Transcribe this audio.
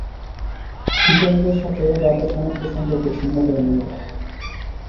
শিকারীদের সাথে রাজা সমস্ত সম্পর্ক ছিন্ন করে নেবে।